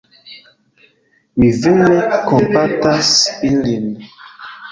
Mi vere kompatas ilin.